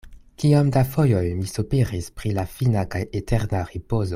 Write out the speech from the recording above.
Kiom da fojoj mi sopiris pri la fina kaj eterna ripozo.